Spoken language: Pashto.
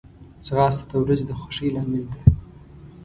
ځغاسته د ورځې د خوښۍ لامل ده